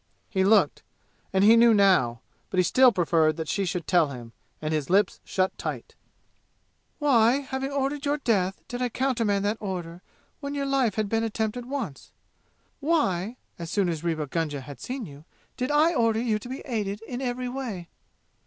He looked, and he knew now. But he still preferred that she should tell him, and his lips shut tight. "Why, having ordered your death, did I countermand the order when your life had been attempted once? Why, as soon as Rewa Gunga had seen you, did I order you to be aided in every way?"